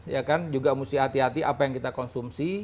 ya kan juga mesti hati hati apa yang kita konsumsi